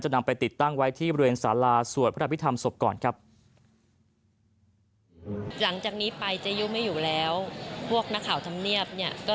นำไปติดตั้งไว้ที่บริเวณสาราสวดพระพิธรรมศพก่อนครับ